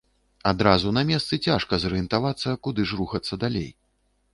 Адразу на месцы цяжка зарыентавацца, куды ж рухацца далей.